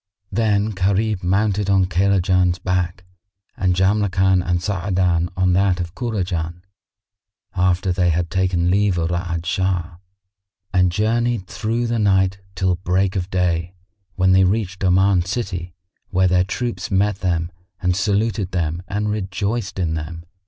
Then Gharib mounted on Kaylajan's back and Jamrkan and Sa'adan on that of Kurajan, after they had taken leave of Ra'ad Shah; and journeyed through the night till break of day, when they reached Oman city where their troops met them and saluted them and rejoiced in them.